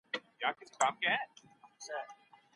دا کتاب په اتو فصلونو کي لیکل شوی دی.